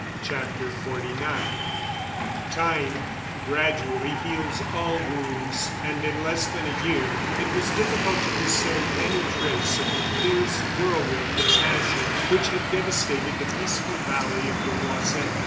CHAPTER XLIX Time gradually heals all wounds, and in less than a year it was difficult to discern any trace of the fierce whirlwind of passion which had devastated the peaceful valley of the Oiselle.